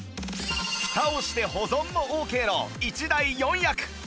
フタをして保存もオーケーの１台４役